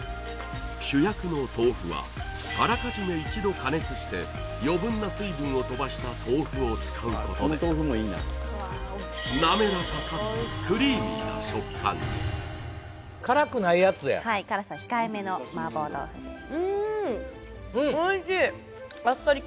主役の豆腐はあらかじめ一度加熱して余分な水分を飛ばした豆腐を使うことで滑らかかつクリーミーな食感に辛くないやつや辛さ控えめの麻婆豆腐です